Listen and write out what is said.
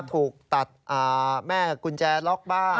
ถูกตัดแม่กุญแจล็อกบ้า